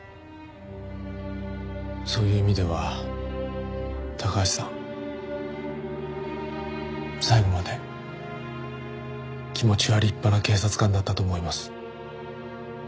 そういう意味では高橋さん最後まで気持ちは立派な警察官だったと思います。